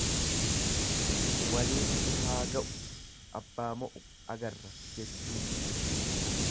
Waliin nu haa ga'u abbaa mo'u agarra jechuu ibsa.